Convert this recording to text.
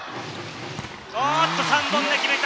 ３本目、決めた！